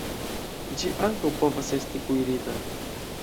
Ĝi ankaŭ povas esti kuirita.